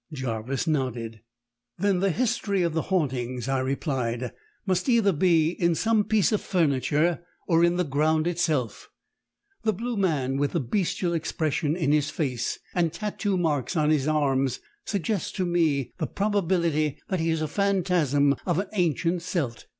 Jarvis nodded. "Then the history of the hauntings," I replied, "must either be in some piece of furniture or in the ground itself. The blue man with the bestial expression in his face and tatoo marks on his arms suggests to me the probability that he is a phantasm of an ancient Celt.